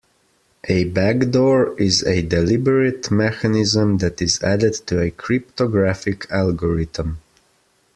A backdoor is a deliberate mechanism that is added to a cryptographic algorithm.